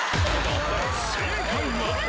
正解は？